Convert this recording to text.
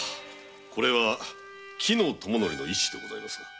これは紀友則の一首でございます。